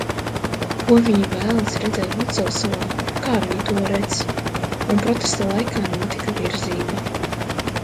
Ko viņi vēlas redzēt Lucavsalā, kā viņi to redz. Un protesta laikā notika virzība.